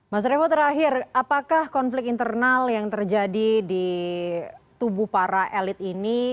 mas revo terakhir apakah konflik internal yang terjadi di tubuh para elit ini